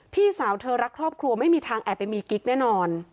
พี่สาวเธอรักครอบครัวไม่มีทางแอบไปมีกิ๊กแน่นอน